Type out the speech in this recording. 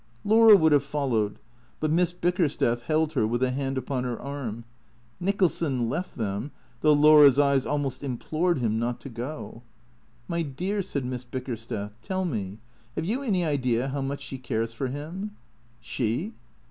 Laura would have followed, but Miss Bickersteth held her with a hand upon her arm. Nicholson left them, though Laura's eyes almost implored him not to go. " My dear," said Miss Bickersteth. " Tell me. Have you any idea how much she cares for him?" "She?"